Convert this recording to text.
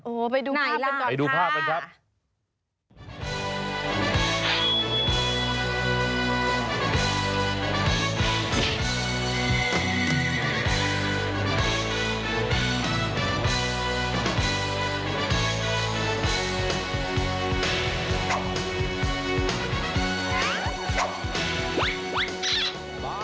โอ้ไปดูภาพก่อนค่ะไหนล่ะ